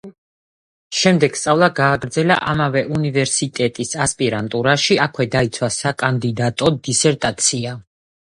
შემდეგ სწავლა გააგრძელა ამავე უნივერსიტეტის ასპირანტურაში, აქვე დაიცვა საკანდიდატო დისერტაცია.